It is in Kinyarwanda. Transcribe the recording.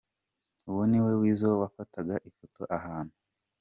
Uwo ni Weasel wafataga ifoto ahantu.